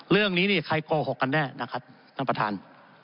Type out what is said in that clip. เรื่องนี้นี่ใครโกหกกันแน่นะครับท่านประธาน